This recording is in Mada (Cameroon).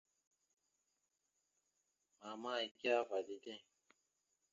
Mama ike ava dideŋ.